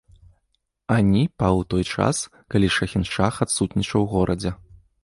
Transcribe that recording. Ані паў у той час, калі шахіншах адсутнічаў у горадзе.